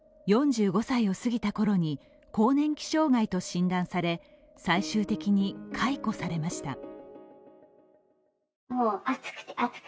４５歳をすぎたころに更年期障害と診断され最終的に解雇されました。